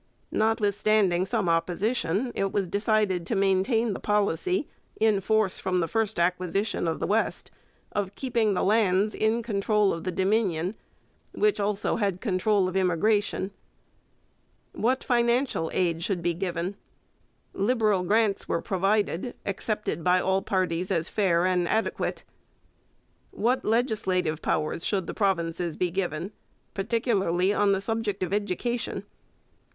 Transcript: Notwithstanding some opposition, it was decided to maintain the policy, in force from the first acquisition of the West, of keeping the lands in control of the Dominion, which also had control of immigration. What financial aid should be given? Liberal grants were provided, accepted by all parties as fair and adequate. What legislative powers should the provinces be given, particularly on the subject of education?